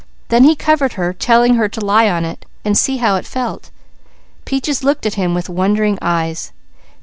Then he covered her, telling her to lie on it, and see how it felt. Peaches looked at him with wondering eyes.